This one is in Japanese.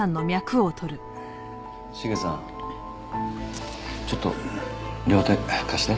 茂さんちょっと両手貸して。